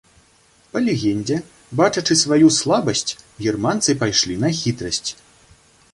Па легендзе, бачачы сваю слабасць, германцы пайшлі на хітрасць.